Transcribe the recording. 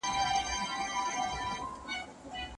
- غلام محمد اطرافی، شاعر او ښوونکی.